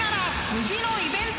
次のイベント？